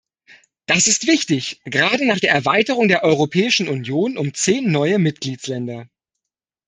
Das ist wichtig, gerade nach der Erweiterung der Europäischen Union um zehn neue Mitgliedsländer.